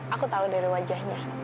aku tahu dari wajahnya